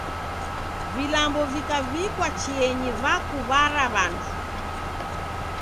Vilambo vikaw'ikwa chienyi vakuw'ara w'andu.